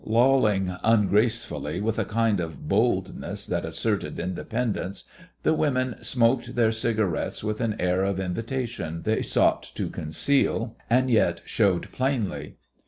Lolling ungracefully, with a kind of boldness that asserted independence, the women smoked their cigarettes with an air of invitation they sought to conceal and yet showed plainly.